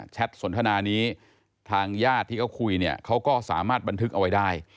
สนทนานี้ทางญาติที่เขาคุยเนี่ยเขาก็สามารถบันทึกเอาไว้ได้